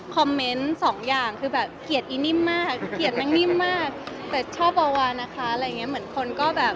คิดแบบนี้มากเลย